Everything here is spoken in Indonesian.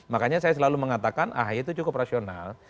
makanya saya selalu mengatakan ahy itu cukup rasional